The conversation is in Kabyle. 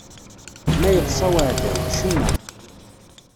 Ma iḍsa uɛdaw, cenna!